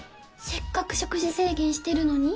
せっかく食事制限してるのに？